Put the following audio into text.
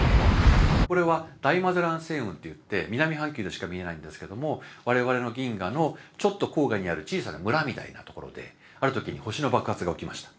これは大マゼラン星雲っていって南半球でしか見えないんですけども我々の銀河のちょっと郊外にある小さな村みたいなところである時に星の爆発が起きました。